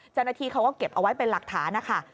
จนาทีเขาก็เก็บเอาไว้เป็นหลักฐานะคะ